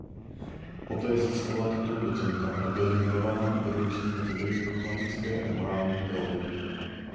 Poté získala titul docenta a byl jmenován vedoucím katedry dogmatické a morální teologie.